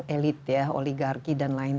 elit ya oligarki dan lain